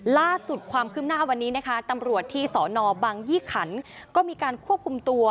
ล่าสุดความคืบหน้าวันนี้นะคะตำรวจที่สอนอบังยี่ขันก็มีการควบคุมตัว